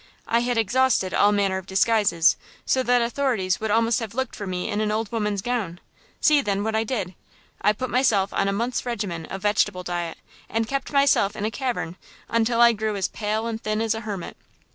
I had exhausted all manner of disguises, so that the authorities would almost have looked for me in an old woman's gown! See, then, what I did! I put myself on a month's regimen of vegetable diet, and kept myself in a cavern until I grew as pale and thin as a hermit!